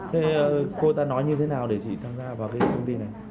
thế cô ta nói như thế nào để chị tham gia vào cái công ty này